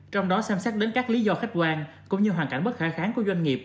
trong đó xem xét đến các lý do khách quan cũng như hoàn cảnh bất khả kháng của doanh nghiệp